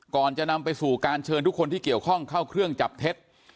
ก่อนจะนำไปสู่การเชิญทุกคนที่เกี่ยวข้องเข้าเครื่องจับเท็จ